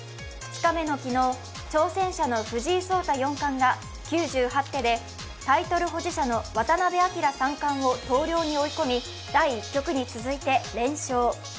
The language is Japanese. ２日目の昨日、挑戦者の藤井聡太四冠が９８手でタイトル保持者の渡辺明三冠を投了に追い込み、第１局に続いて連勝。